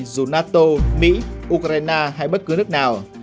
dù nato mỹ ukraine hay bất cứ nước nào